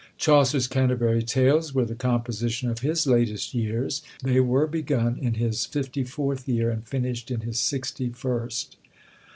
Chaucer's Canterbury Tales were the composition of his latest years: they were begun in his fifty fourth year, and finished in his sixty first.